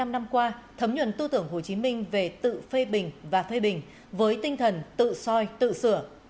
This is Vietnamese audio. bảy mươi năm năm qua thấm nhuận tư tưởng hồ chí minh về tự phê bình và phê bình với tinh thần tự soi tự sửa